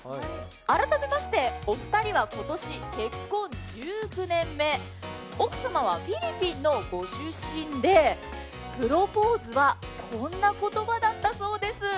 改めまして、お二人は今年、結婚１９年目、奥様はフィリピンのご出身でプロポーズはこんな言葉だったそうです。